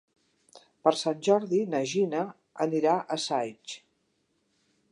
Per Sant Jordi na Gina anirà a Saix.